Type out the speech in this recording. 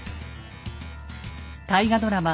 大河ドラマ